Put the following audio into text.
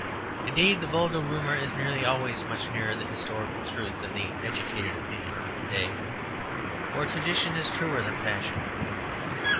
Indeed the vulgar rumour is nearly always much nearer the historical truth than the "educated" opinion of to day; for tradition is truer than fashion.